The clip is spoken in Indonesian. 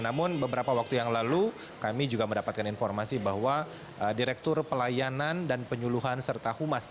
namun beberapa waktu yang lalu kami juga mendapatkan informasi bahwa direktur pelayanan dan penyuluhan serta humas